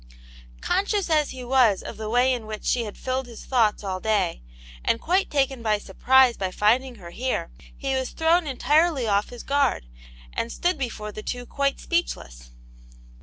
Conscious as he was of the way in which she had filled his thoughts all day, and quite taken by sur prise by finding her here, he was thrown entirely off his guard, and stood before the two quite speechless.